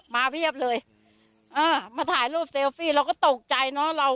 เพียบเลยเออมาถ่ายรูปเซลฟี่เราก็ตกใจเนอะเรา